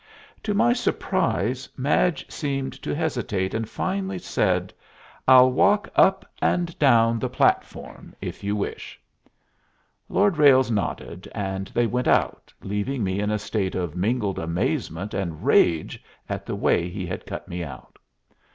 To my surprise, Madge seemed to hesitate, and finally said, "I'll walk up and down the platform, if you wish." Lord Ralles nodded, and they went out, leaving me in a state of mingled amazement and rage at the way he had cut me out.